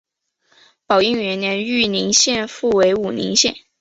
宝应元年豫宁县复为武宁县。